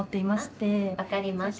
分かりました。